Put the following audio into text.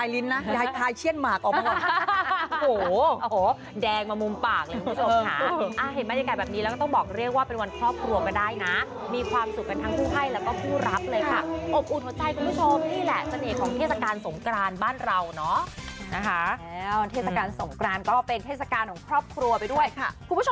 แล้วเทศกาลสงครามก็เป็นเทศกาลของครอบครัวไปด้วยค่ะ